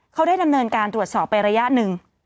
เขาได้ดำเนินการตรวจสอบไประยะหนึ่ง